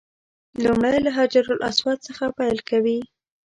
لومړی له حجر اسود څخه پیل کوي.